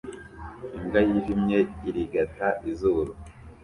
Imbwa yijimye irigata izuru